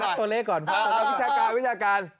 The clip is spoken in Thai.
พักตัวเลขก่อนเพราะว่าวิชาการ